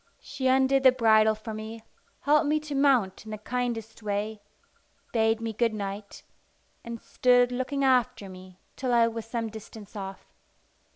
She undid the bridle for me, helped me to mount in the kindest way, bade me good night, and stood looking after me till I was some distance off.